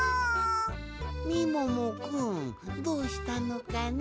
みももくんどうしたのかね？